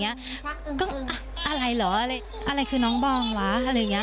อะไรเหรออะไรคือน้องบองเหรอ